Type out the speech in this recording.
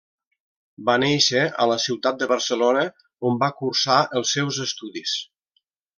Va néixer a la ciutat de Barcelona, on va cursar els seus estudis.